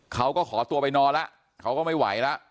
เขาก็ขอตัวไปนอนแล้วเขาก็ไม่ไหวแล้ว